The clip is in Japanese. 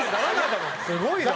すごいな。